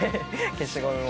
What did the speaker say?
消しゴムを。